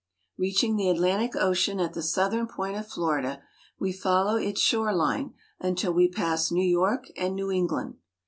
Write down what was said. Reaching the Atlantic Ocean at the southern point of Florida, we follow its shore line until we pass New York and New England.